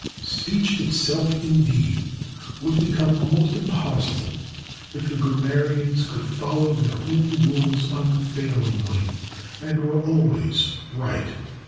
Speech itself, indeed, would become almost impossible if the grammarians could follow their own rules unfailingly, and were always right.